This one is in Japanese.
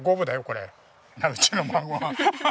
これうちの孫は。ハハハ！